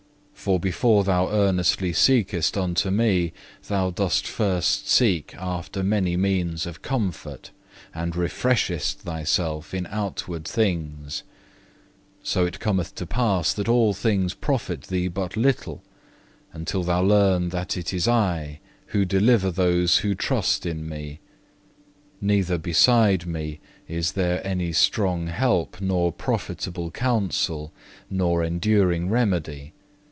For before thou earnestly seekest unto Me, thou dost first seek after many means of comfort, and refresheth thyself in outward things: so it cometh to pass that all things profit thee but little until thou learn that it is I who deliver those who trust in Me; neither beside Me is there any strong help, nor profitable counsel, nor enduring remedy.